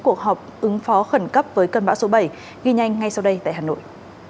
cuộc họp ứng phó khẩn cấp với cơn bão số bảy ghi nhanh ngay sau đây tại hà nội